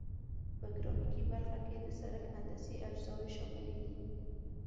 په ګرافیکي برخه کې د سرک هندسي اجزاوې شاملې دي